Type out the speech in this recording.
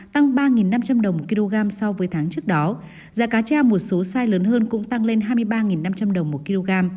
tăng ba năm trăm linh đồng một kg so với tháng trước đó giá cá tra một số size lớn hơn cũng tăng lên hai mươi ba năm trăm linh đồng một kg